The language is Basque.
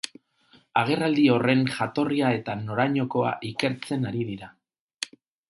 Agerraldi horren jatorria eta norainokoa ikertzen ari dira.